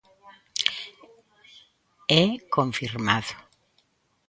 E confirmado.